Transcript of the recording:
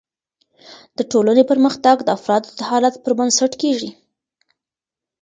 د ټولني پرمختګ د افرادو د حالت پر بنسټ کیږي.